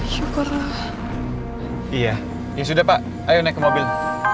ya sudah pak ayo naik ke mobil